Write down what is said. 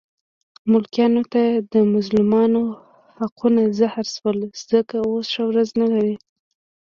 ملکانو ته د مظلومانو حقونه زهر شول، ځکه اوس ښه ورځ نه لري.